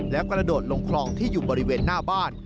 แล้วกระโดดลงคลองที่อยู่บริเวณหน้าบ้าน